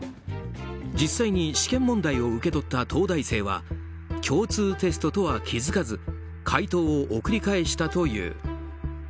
実際に試験問題を受け取った東大生は共通テストとは気づかず解答を送り返したという。